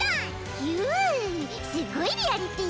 ひゅすっごいリアリティー！